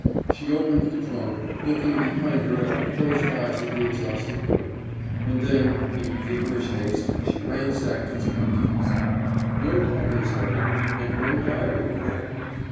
She opened the trunk, looking behind her at the closed eyes of the exhausted girl, and then, in feverish haste, she ransacked its contents. No daggers, however, and no diary were there.